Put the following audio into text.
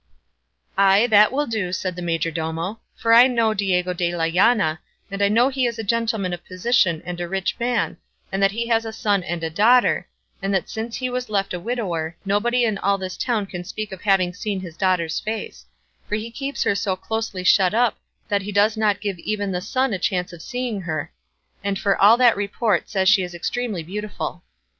"Ay, that will do," said the majordomo; "for I know Diego de la Llana, and know that he is a gentleman of position and a rich man, and that he has a son and a daughter, and that since he was left a widower nobody in all this town can speak of having seen his daughter's face; for he keeps her so closely shut up that he does not give even the sun a chance of seeing her; and for all that report says she is extremely beautiful."